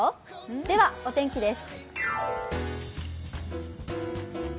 では、お天気です。